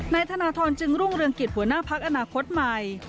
ในธนธรรมจึงรุงเรืองกิจหัวหน้าภักดิ์อนาคตใหม่